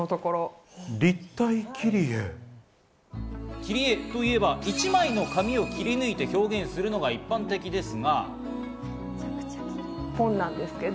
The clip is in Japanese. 切り絵といえば、１枚の紙を切り抜いて表現するのが一般的ですが。